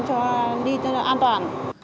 cho đi an toàn